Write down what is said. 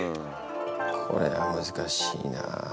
これは難しいな。